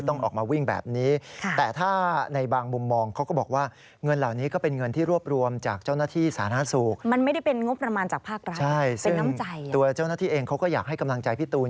ตัวเจ้าหน้าที่เองเขาก็อยากให้กำลังใจพี่ตูน